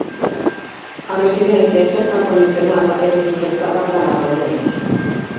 A residencia xa está acondicionada e desinfectada para acollelos.